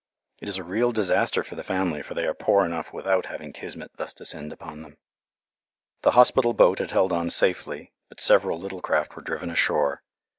It is a real disaster for the family, for they are poor enough without having Kismet thus descend upon them. The hospital boat had held on safely, but several little craft were driven ashore.